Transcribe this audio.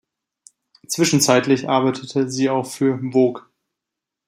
Zwischenzeitlich arbeitete sie auch für "Vogue".